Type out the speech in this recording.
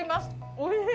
おいしい！